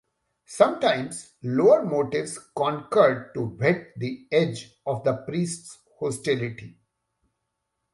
Sometimes lower motives concurred to whet the edge of the priest's hostility.